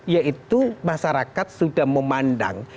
yaitu masyarakat sudah memandang